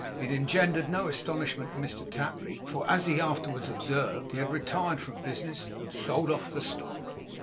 It engendered no astonishment in Mr Tapley; for, as he afterwards observed, he had retired from the business, and sold off the stock.